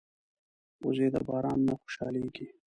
وزې د باران نه خوشحالېږي